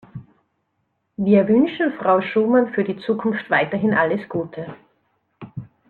Wir wünschen Frau Schumann für die Zukunft weiterhin alles Gute.